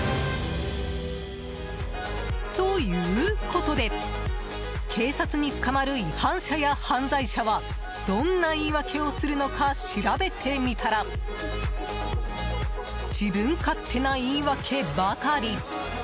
ということで警察に捕まる違反者や犯罪者はどんな言い訳をするのか調べてみたら自分勝手な言い訳ばかり。